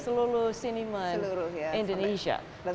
seluruh seniman indonesia